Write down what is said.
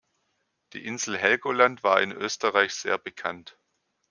Die Insel Helgoland war in Österreich sehr bekannt.